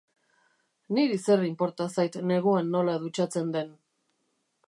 Niri zer inporta zait neguan nola dutxatzen den.